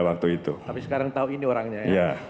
waktu itu tapi sekarang tahu ini orangnya ya